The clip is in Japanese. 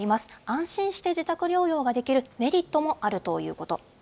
安心して自宅療養ができるメリットもあるということ。